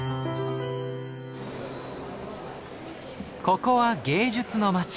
ここは芸術の街